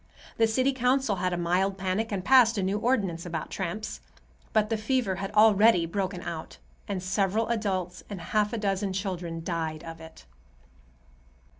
The city council had a mild panic and passed a new ordinance about tramps. But the fever had already broken out, and several adults and half a dozen children died of it.